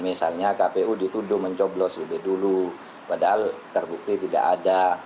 misalnya kpu dituduh mencoblos lebih dulu padahal terbukti tidak ada